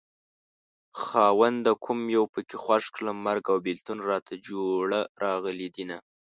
خاونده کوم يو پکې خوښ کړم مرګ او بېلتون راته جوړه راغلي دينه